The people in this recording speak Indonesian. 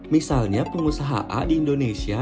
misalnya pengusaha a di indonesia